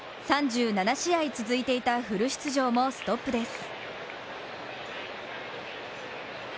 ３７試合続いていたフル出場もストップです。